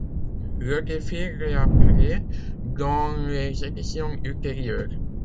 Le défi réapparaît dans les éditions ultérieures.